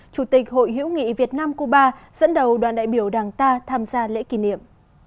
chủ tịch hội hiểu nghị việt nam cuba dẫn đầu đoàn đại biểu đảng ta tham gia lễ kỷ niệm